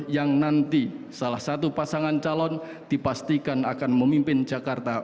yang nanti salah satu pasangan calon dipastikan akan memimpin jakarta